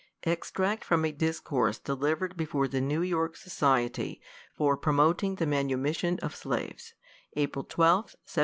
Extract from a Discourse delivered before the New York Society for promoting the Manu mission OF Slaves, April 12, 1797.